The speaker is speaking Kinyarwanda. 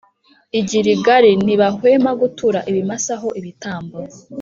i Giligali ntibahwema gutura ibimasa ho ibitambo,